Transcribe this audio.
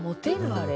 あれ。